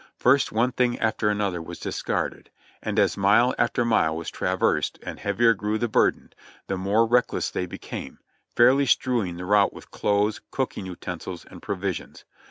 First one thing after another was discarded, and as mile after mile was traversed and heavier grew the burden, the more reck less they became, fairly strewing the route with clothes, cooking utensils and provisions.